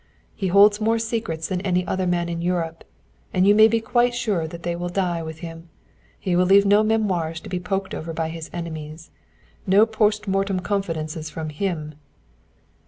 He holds more secrets than any other man in Europe and you may be quite sure that they will die with him. He will leave no memoirs to be poked over by his enemies no post mortem confidences from him!"